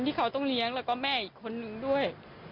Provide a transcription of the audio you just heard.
ที่เขาต้องเลี้ยงแล้วก็แม่อีกคนนึงด้วย